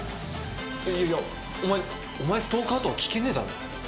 いやいや「お前お前ストーカー？」とは聞けねえだろ。